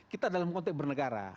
kita dalam konteks bernegara